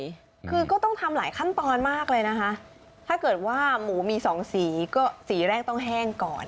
คือก็ต้องทำหลายขั้นตอนมากเลยนะคะถ้าเกิดว่าหมูมีสองสีก็สีแรกต้องแห้งก่อน